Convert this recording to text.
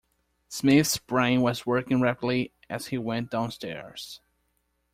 Smith's brain was working rapidly as he went downstairs.